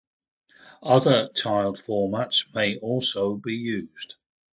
Other tiled formats may also be used.